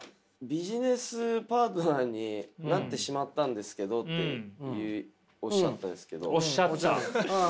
「ビジネスパートナーになってしまったんですけど」っていうおっしゃったんですけど。